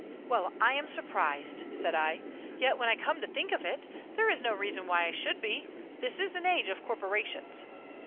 "Well, I am surprised!" said I. "Yet, when I come to think of it, there is no reason why I should be. This is an age of corporations."